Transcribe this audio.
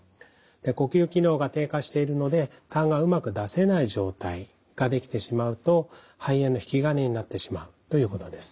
呼吸機能が低下しているのでたんがうまく出せない状態ができてしまうと肺炎の引き金になってしまうということです。